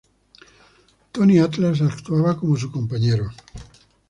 Tony Atlas actuaba como su compañero.